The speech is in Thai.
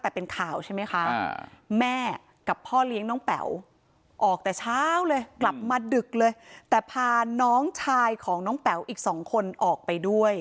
คือทีมข่าวของเราก็ช่วยตั้งข้อสังเกตแบบนี้นะคะ